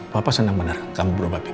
papa seneng bener kamu berpapikiran